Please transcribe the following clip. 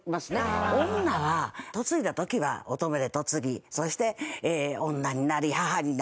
女は嫁いだ時は乙女で嫁ぎそして女になり母になり。